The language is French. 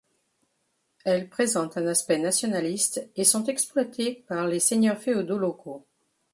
Elle présentent un aspect nationaliste et sont exploitées par les seigneurs féodaux locaux.